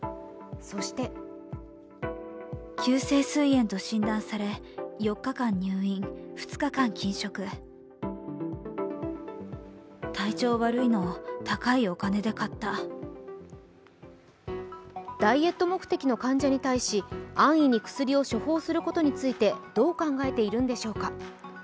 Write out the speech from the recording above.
そしてダイエット目的の患者に対し安易に薬を処方することについてどう考えているんでしょうか。